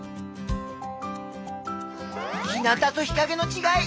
日なたと日かげのちがい